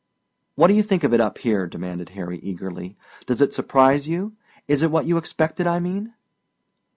"What do you think of it up here?" demanded Harry eagerly. "Does it surprise you? Is it what you expected I mean?"